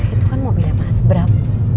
itu kan mobilnya mas bram